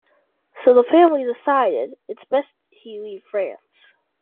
So, the family decided it's best he leave France.